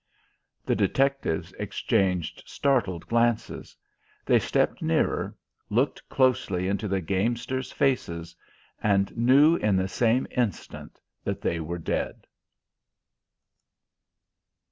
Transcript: The detectives exchanged startled glances. They stepped nearer, looked closely into the gamesters' faces, and knew in the same instant that they were dead.